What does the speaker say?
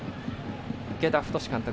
池田太監督。